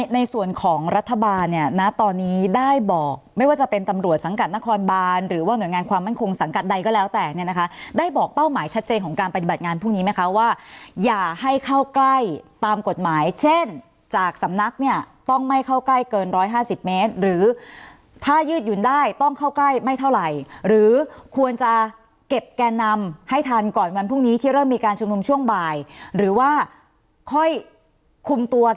ในส่วนของรัฐบาลเนี่ยนะตอนนี้ได้บอกไม่ว่าจะเป็นตำรวจสังกัดนครบานหรือว่าหน่วยงานความมั่นคงสังกัดใดก็แล้วแต่เนี่ยนะคะได้บอกเป้าหมายชัดเจนของการปฏิบัติงานพรุ่งนี้ไหมคะว่าอย่าให้เข้าใกล้ตามกฎหมายเช่นจากสำนักเนี่ยต้องไม่เข้าใกล้เกิน๑๕๐เมตรหรือถ้ายืดหยุ่นได้ต้องเข้าใกล้ไม่เท่า